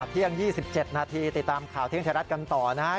เที่ยง๒๗นาทีติดตามข่าวเที่ยงไทยรัฐกันต่อนะครับ